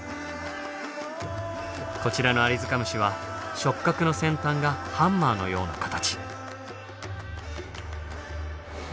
こちらのアリヅカムシは触角の先端がハンマーのような形。